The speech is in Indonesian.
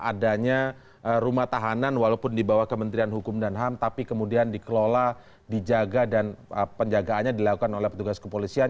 adanya rumah tahanan walaupun di bawah kementerian hukum dan ham tapi kemudian dikelola dijaga dan penjagaannya dilakukan oleh petugas kepolisian